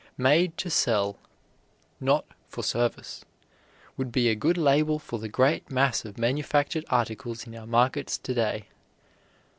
"Made to sell, not for service," would be a good label for the great mass of manufactured articles in our markets to day.